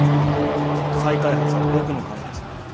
再開発は僕の管轄だ！